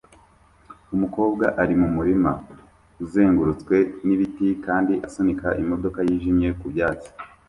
Umukobwa ari mu murima uzengurutswe n'ibiti kandi asunika imodoka yijimye ku byatsi